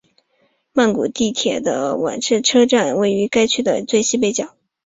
曼谷地铁的挽赐车站位于该区最西北角。